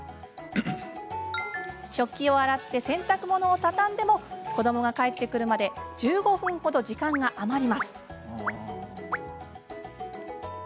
食器を洗って、洗濯物を畳んでも子どもが帰ってくるまで１５分ほど時間が余ります。